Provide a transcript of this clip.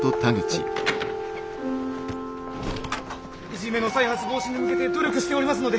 いじめの再発防止に向けて努力しておりますので。